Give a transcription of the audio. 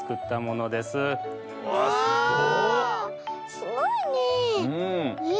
すごいねえ。